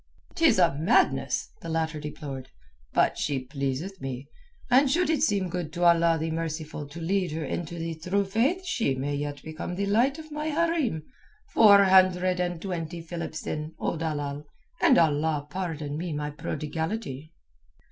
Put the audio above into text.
"'Tis a madness," the latter deplored. "But she pleaseth me, and should it seem good to Allah the Merciful to lead her into the True Faith she may yet become the light of my hareem. Four hundred and twenty philips, then, O dalal, and Allah pardon me my prodigality."